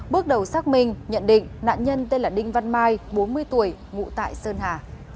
bước đầu xác minh nhận định nạn nhân tên là đinh văn mai bốn mươi tuổi ngụ tại sơn hà